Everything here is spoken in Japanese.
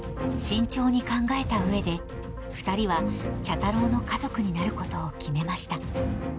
慎重に考えたうえで、２人は茶太郎の家族になることを決めました。